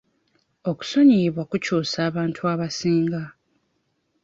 Okusonyiyibwa kukyusa abantu abasinga.